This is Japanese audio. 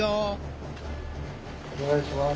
お願いします。